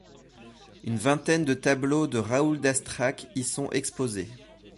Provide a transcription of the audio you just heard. Une vingtaine de tableaux de Raoul-Dastrac y sont exposés.